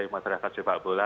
masyarakat sepak bola